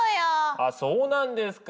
あそうなんですか。